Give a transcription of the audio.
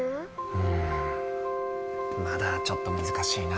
うんまだちょっと難しいな。